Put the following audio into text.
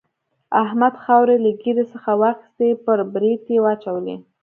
احمد خاورې له ږيرې څخه واخيستې پر برېت يې واچولې.